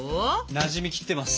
なじみきってます。